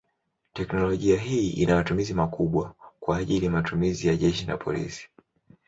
Teknolojia hii ina matumizi makubwa kwa ajili matumizi ya jeshi na polisi.